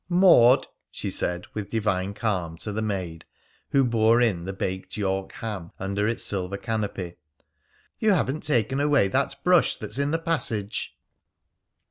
"Maud," she said with divine calm to the maid who bore in the baked York ham under its silver canopy, "you haven't taken away that brush that's in the passage."